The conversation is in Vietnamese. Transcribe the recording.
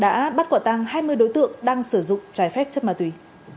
đã bắt quả tăng hai mươi đối tượng đang sử dụng trái phép chất ma túy